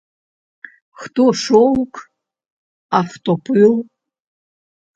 Хто шоўк, а хто пыл?!